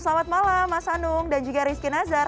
selamat malam mas anung dan juga rizky nazar